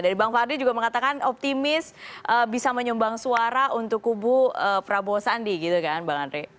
dari bang fadli juga mengatakan optimis bisa menyumbang suara untuk kubu prabowo sandi gitu kan bang andre